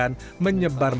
akan menghasilkan uap air yang